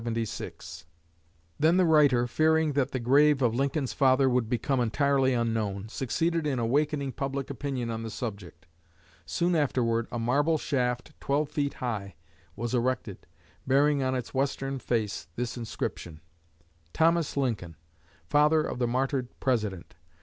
Then the writer, fearing that the grave of Lincoln's father would become entirely unknown, succeeded in awakening public opinion on the subject. Soon afterward a marble shaft twelve feet high was erected, bearing on its western face this inscription: THOMAS LINCOLN FATHER OF THE MARTYRED PRESIDENT.